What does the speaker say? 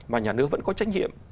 mà nhà nước vẫn có trách nhiệm